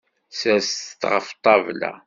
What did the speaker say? Serset-t ɣef ṭṭabla.